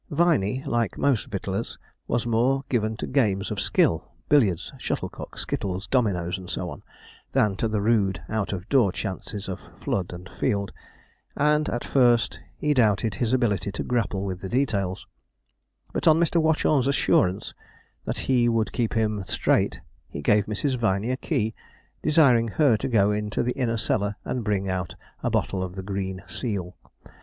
Viney, like most victuallers, was more given to games of skill billiards, shuttlecock, skittles, dominoes, and so on than to the rude out of door chances of flood and field, and at first he doubted his ability to grapple with the details; but on Mr. Watchorn's assurance that he would keep him straight, he gave Mrs. Viney a key, desiring her to go into the inner cellar, and bring out a bottle of the green seal.